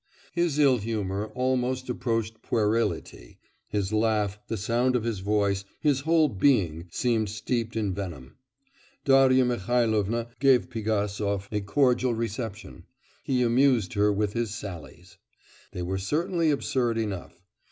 His ill humour almost approached puerility; his laugh, the sound of his voice, his whole being seemed steeped in venom. Darya Mihailovna gave Pigasov a cordial reception; he amused her with his sallies. They were certainly absurd enough.